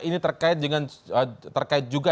ini terkait dengan terkait juga